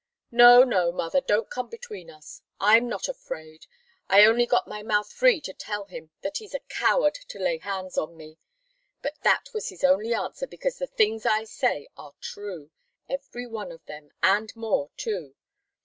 "No, no, mother! don't come between us. I'm not afraid I only got my mouth free to tell him that he's a coward to lay his hands on me. But that was his only answer, because the things I say are true every one of them, and more, too.